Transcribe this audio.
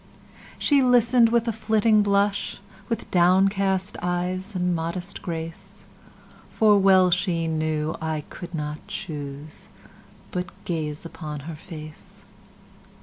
She listen'd with a flitting blush, With downcast eyes and modest grace; For well she knew, I could not chooseBut gaze upon her face.